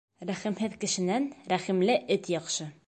Рәхимһеҙ кешенән рәхимле эт яҡшы.